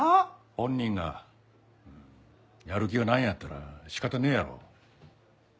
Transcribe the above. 本人がやる気がないんやったら仕方ねえやろ。